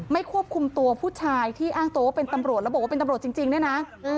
ควบคุมตัวผู้ชายที่อ้างตัวว่าเป็นตำรวจแล้วบอกว่าเป็นตำรวจจริงเนี่ยนะ